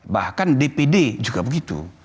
bahkan dpd juga begitu